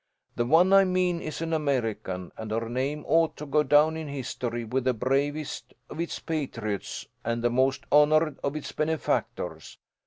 The one I mean is an American, and her name ought to go down in history with the bravest of its patriots and the most honoured of its benefactors.